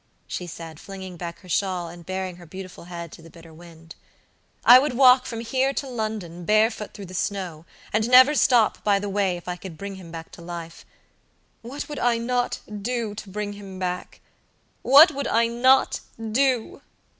she said, flinging back her shawl and baring her beautiful head to the bitter wind. "I would walk from here to London barefoot through the snow, and never stop by the way, if I could bring him back to life. What would I not do to bring him back? What would I not do?"